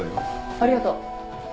ありがとう。